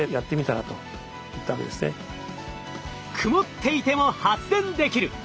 曇っていても発電できる！